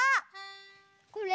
これ？